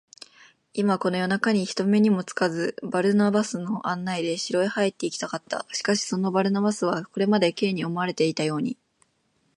今、この夜なかに、人目にもつかず、バルナバスの案内で城へ入っていきたかった。しかし、そのバルナバスは、これまで Ｋ に思われていたように、